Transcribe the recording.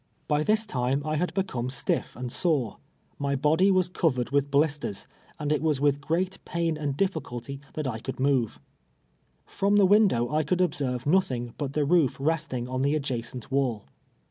By this time [ liad l)ecomc stiiF and sore; my body v\'as covered ^\itli l)]!sters, and it. was with great ]iain and dithcnlty tluit I could move. From the window I could observe iiothing but the roof resting on the adjacent wall.